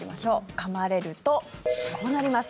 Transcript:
かまれると、こうなります。